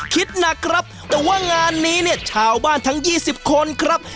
คิดหนักครับแต่ว่างานนี้เนี่ยชาวบ้านทั้ง๒๐คนครับ